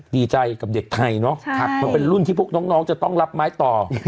ดีใจกับเด็กไทยเนอะมันเป็นรุ่นที่พวกน้องจะต้องรับไม้ต่อ